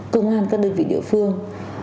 công an các đơn vị địa phương